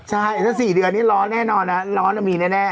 ใช่ถ้า๔เดือนนี่ร้อนแน่นอนนะร้อนมีแน่